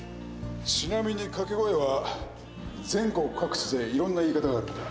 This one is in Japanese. ちなみに掛け声は全国各地でいろんな言い方があるんだ。